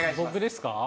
僕ですか？